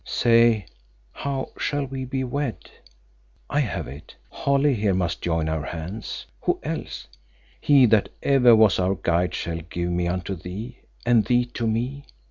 "Say, how shall we be wed? I have it. Holly here must join our hands; who else? He that ever was our guide shall give me unto thee, and thee to me.